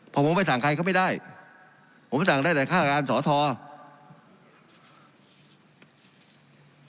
พอผมไปสั่งใครเขาไม่ได้ผมสั่งได้แต่ค่าการสอทร